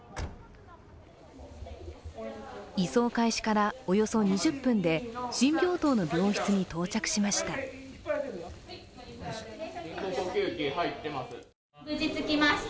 移送開始からおよそ２０分で新病棟の病室に到着しました。